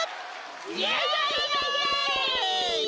イエイイエイイエイ！